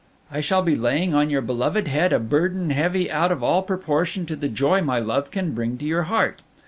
I shall be laying on your beloved head a burden heavy out of all proportion to the joy my love can bring to your heart.